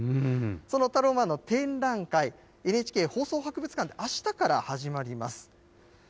そのタローマンの展覧会、ＮＨＫ放送博物館であしたから始まります。